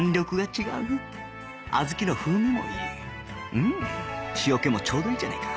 うーん塩気もちょうどいいじゃないか